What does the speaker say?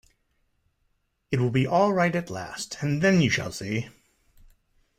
It will be all right at last, and then you shall see!